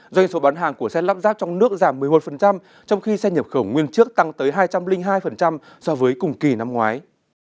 doanh số bán hàng của xe lắp ráp trong nước giảm một mươi một trong khi xe nhập khẩu nguyên trước tăng tới hai trăm linh hai so với cùng kỳ năm ngoái